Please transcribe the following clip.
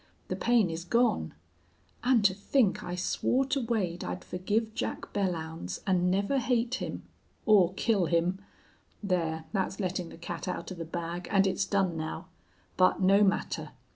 The pain is gone. And to think I swore to Wade I'd forgive Jack Belllounds and never hate him or kill him!... There, that's letting the cat out of the bag, and it's done now. But no matter.